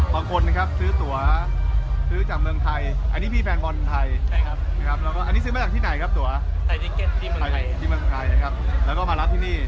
บางคนนะครับซื้อตัวซื้อจากเมืองไทยอันนี้พี่แฟนบอลไทยนะครับแล้วก็อันนี้ซื้อมาจากที่ไหนครับตัวใส่จิ๊กเก็ตที่เมืองไทยที่เมืองไทยนะครับแล้วก็มารับที่นี่